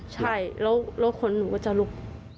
ใช่แล้วรถขนหนูก็จะลุก